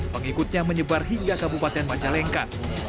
pengikutnya menyebar hingga kabupaten majalengka